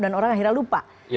dan orang akhirnya lupa